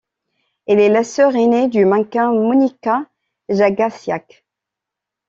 Elle est la sœur ainée du mannequin Monika Jagaciak.